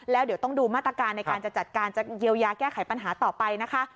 แล้วเดี๋ยวต้องดูมาตรการในการจะจัดการจะเยียวยาแก้ไขปัญหาต่อไปนะคะ